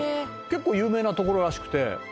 「結構有名な所らしくて」